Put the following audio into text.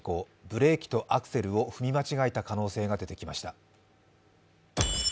ブレーキとアクセルを踏み間違えた可能性が出てきました。